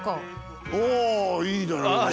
おおいいじゃない！